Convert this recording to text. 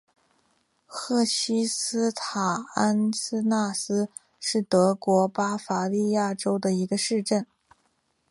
赫希斯塔特安德赖斯希是德国巴伐利亚州的一个市镇。